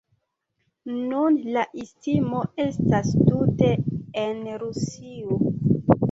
Nun la istmo estas tute en Rusio.